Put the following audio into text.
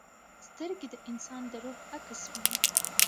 سترګې د انسان د روح عکس وي